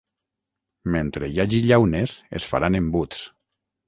Mentre hi hagi llaunes es faran embuts.